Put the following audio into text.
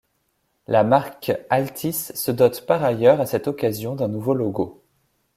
La marque Altice se dote par ailleurs à cette occasion d'un nouveau logo.